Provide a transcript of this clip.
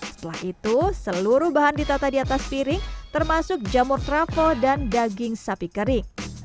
setelah itu seluruh bahan ditata di atas piring termasuk jamur travel dan daging sapi kering